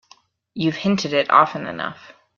You've hinted it often enough.